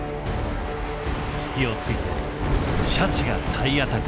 隙をついてシャチが体当たり。